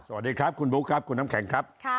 สวัสดีครับคุณบุ๊คครับคุณน้ำแข็งครับ